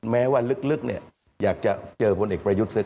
แม้ว่าลึกอยากจะเจอคนอีกประยุทธ์ซะก่อน